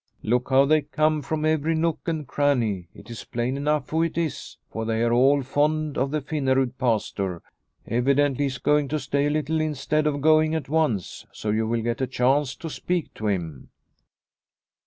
" Look how they come from every nook and cranny. It is plain enough who it is, for they are all fond of the Finnerud Pastor. Evidently he is going to stay a little instead of going on at once, so you will get a chance to speak to him."